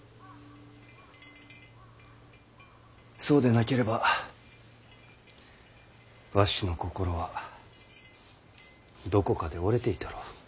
そうでなければわしの心はどこかで折れていたろう。